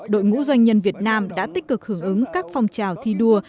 đội ngũ doanh nhân việt nam đã tích cực hưởng ứng các phong trào thi đua